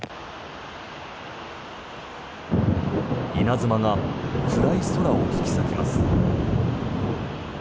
稲妻が暗い空を引き裂きます。